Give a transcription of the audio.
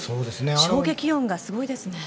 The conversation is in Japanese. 衝撃音がすごいですね。